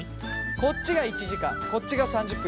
こっちが１時間こっちが３０分になってます。